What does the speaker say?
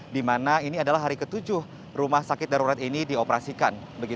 di mana ini adalah hari ke tujuh rumah sakit darurat ini dioperasikan